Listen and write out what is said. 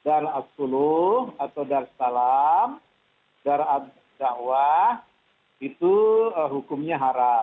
darah as suluh atau darah salam darah dakwah itu hukumnya haram